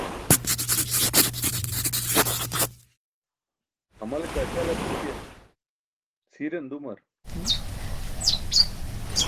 Hamale kaa ćal api ke cʰiiran dumar.